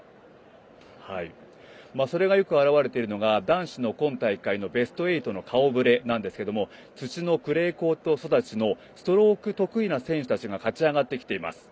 それがよく表れている男子の今大会のベスト８の顔ぶれなんですけども土のクレーコート育ちのストローク得意な選手たちが勝ち上がってきています。